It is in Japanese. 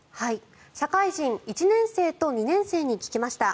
社会人１年生と２年生に聞きました。